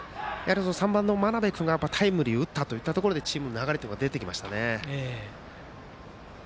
３番の真鍋君がタイムリーを打ったところでチームの流れができてきましたね。